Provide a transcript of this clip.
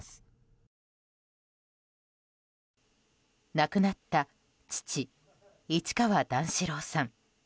亡くなった父・市川段四郎さん。